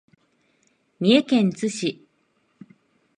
三重県津市